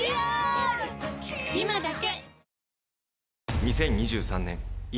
今だけ！